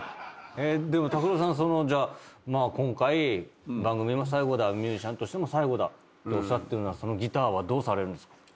でも拓郎さんは今回番組も最後だミュージシャンとしても最後だとおっしゃってるならそのギターはどうされるんですか？